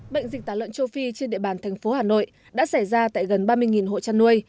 bệnh dịch tả lợn châu phi trên địa bàn thành phố hà nội đã xảy ra tại gần ba mươi hộ chăn nuôi